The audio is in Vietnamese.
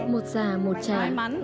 một già một cha